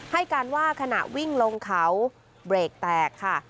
ให้การว่าขณะวิ่งลงเขาเบรกแตกค่ะ